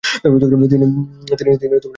তিনি ভাষ্য রচনা করেন।